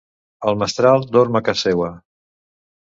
El mestral dorm a ca seua.